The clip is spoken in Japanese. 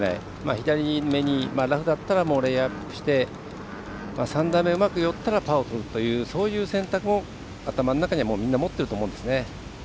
左めにラフだったレイアップして３打目、うまく寄ったらパーをとるという選択も頭の中に、みんな持ってると思うんですよね。